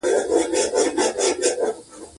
پسه د افغانستان د اقلیم یوه مهمه ځانګړتیا ده.